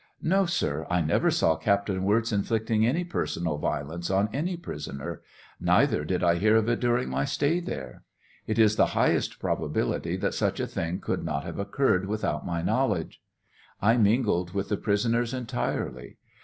No, sir; I never saw Captain Wirz inflicting any personal violence on any prisoner. Neitlier did I hear of it during my stay there. " It is the highest probability that such u thing could not have occurred without my knowledge. »*» j mingled with the prisoners entirely.